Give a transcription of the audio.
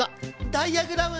ダイヤグラム。